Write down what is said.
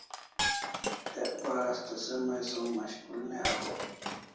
Ek bar asta se mai som mashkul ne hawaw